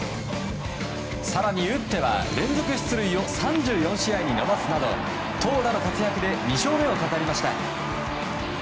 更に打っては連続出塁を３４試合に伸ばすなど投打の活躍で２勝目を飾りました。